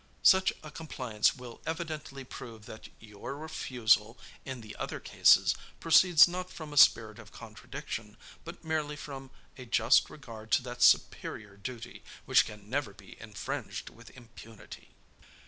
Such a compliance will evidently prove that your refusal, in the other cases, proceeds not from a spirit of contradiction, but merely from a just regard to that superior duty which can never be infringed with impunity.